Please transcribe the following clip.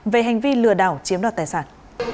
về hành vi lừa đảo chiếm đoạt tài sản